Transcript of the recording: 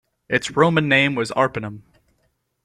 Its Roman name was Arpinum.